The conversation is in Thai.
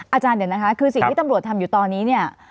อาจารย์เดี๋ยวนะคะคือสิ่งที่ตำรวจทำอยู่ตอนนี้เนี่ย